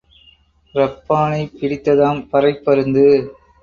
இரப்பானைப் பிடித்ததாம் பறைப் பருந்து.